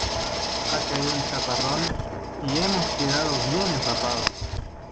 Ha caído un chaparrón ¡y hemos quedado bien empapados!